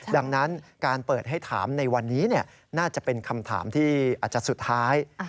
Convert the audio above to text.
ดังนั้นการเปิดให้ถามในวันนี้น่าจะเป็นคำถามที่อาจจะสุดท้าย